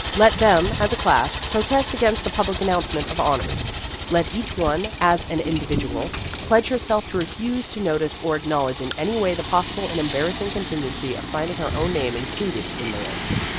Let them, as a class, pro test against the public announcement of " honors." Let each one, as an individ ual, pledge herself to refuse to notice or acknowledge in any way the possible and embarrassing contingency of finding her own name included in the list.